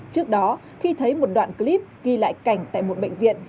trước đó khi thấy một đoạn clip ghi lại cảnh tại một bệnh viện